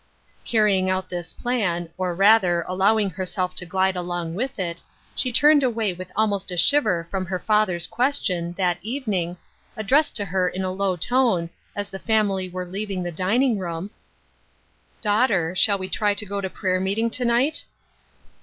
Carrying out this plan, or, rather, allowing herself to glide along with it, she turned away with almost a shiver from her father's question, that evening, addressed to her in a low tone, as the family were leaving the dining room : "Daughter, shall we try to go to prayer meeting to night